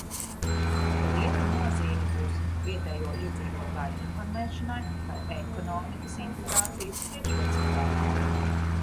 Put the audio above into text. Te liela nozīme būs vietējo iedzīvotāju informēšanai par ekonomikas integrācijas priekšrocībām.